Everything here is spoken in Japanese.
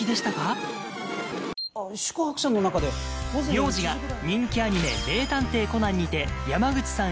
名字が人気アニメ『名探偵コナン』にて山口さん